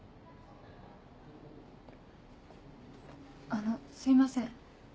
あのすいません。